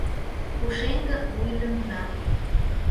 Пушеҥге вуй лӱҥга.